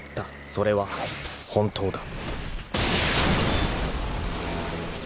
［それは本当だ］